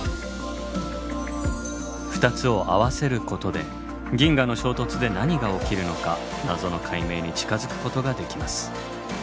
２つを合わせることで銀河の衝突で何が起きるのか謎の解明に近づくことができます。